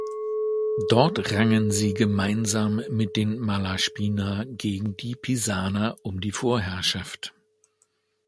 Dort rangen sie gemeinsam mit den Malaspina gegen die Pisaner um die Vorherrschaft.